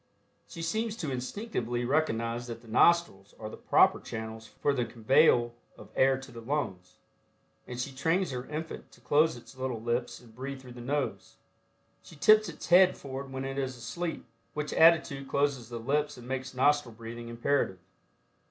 She seems to instinctively recognize that the nostrils are the proper channels for the conveyal of air to the lungs, and she trains her infant to close its little lips and breathe through the nose. She tips its head forward when it is asleep, which attitude closes the lips and makes nostril breathing imperative.